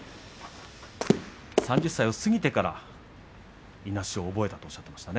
３０歳を過ぎてからいなしを覚えたとおっしゃっていました。